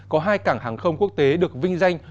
có hai cảng hàng không quốc tế được vinh danh